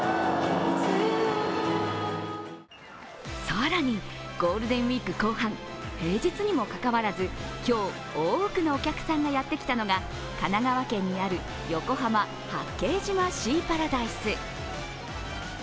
更に、ゴールデンウイーク後半平日にもかかわらず今日、多くのお客さんがやってきたのが神奈川県にある横浜・八景島シーパラダイス。